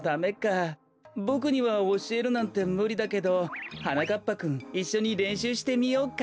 ボクにはおしえるなんてむりだけどはなかっぱくんいっしょにれんしゅうしてみようか？